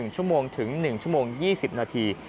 ๑ชั่วโมงถึง๑ชั่วโมง๒๐นาที